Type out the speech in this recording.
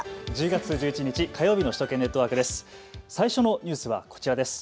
１０月１１日、火曜日の首都圏ネットワークです。